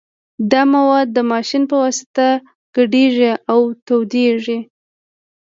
دا مواد د ماشین په واسطه ګډیږي او تودیږي